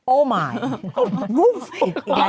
โอ้ไม่